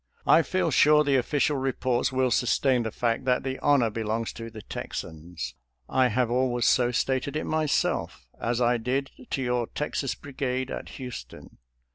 I feel sure the ofScial reports will sustain the fact that the honor belongs to the Texans. I have always so stated it myself, as I did to your Texas Brigade at Houston.